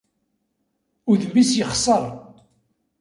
Udem-is yexṣer!